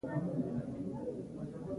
که په دې وروستيو کې افغان لوبډلې ته وکتل شي.